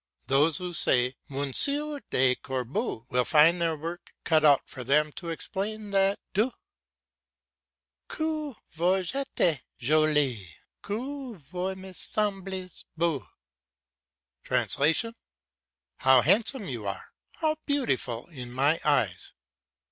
Those who say "Monsieur du Corbeau" will find their work cut out for them to explain that "du." "Que vous etes joli! Que vous me semblez beau!" ("How handsome you are, how beautiful in my eyes!")